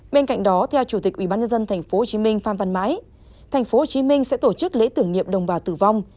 bên cạnh đó theo chủ tịch ubnd tp hcm pham văn mãi tp hcm sẽ tổ chức lễ tử nghiệm đồng bào tử vong